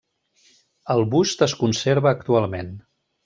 El bust es conserva actualment.